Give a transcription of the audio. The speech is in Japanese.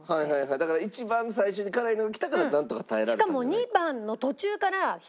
だから一番最初に辛いのがきたからなんとか耐えられた。